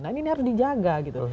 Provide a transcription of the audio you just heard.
nah ini harus dijaga gitu